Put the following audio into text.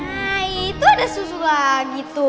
nah itu ada susu lagi tuh